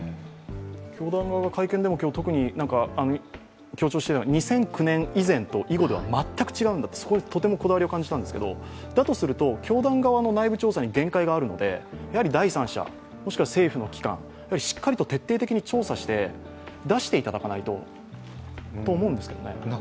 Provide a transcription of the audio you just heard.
教団側が今日の会見でも特に強調していたのは、２００９年以前と以後では全く違うんだと、そこにこだわりを感じたんですがだとすると教団側の内部調査に限界があるのでやはり第三者、もしくは政府の機関しっかりと徹底的に調査して出していただかないとと思うんですけどね。